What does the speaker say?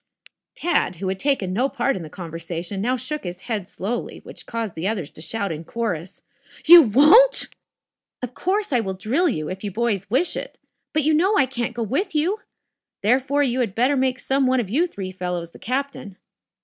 Tad, who had taken no part in the conversation, now shook his head slowly, which caused the others to shout in chorus: "You won't!" "Of course I will drill you, if you boys wish it. But, you know I can't go with you. Therefore, you had tetter make some one of you three fellows the captain."